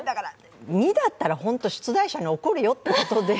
２だったら出題者に怒るよって。